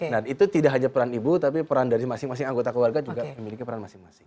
nah itu tidak hanya peran ibu tapi peran dari masing masing anggota keluarga juga memiliki peran masing masing